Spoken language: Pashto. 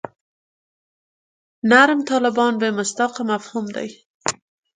نرم طالبان بې مصداقه مفهوم دی.